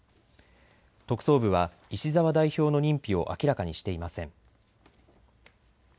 特捜部は石澤代表の認否を明らかにしていません。